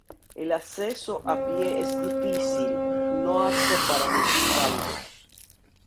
El acceso a pie es difícil, no apto para minusválidos.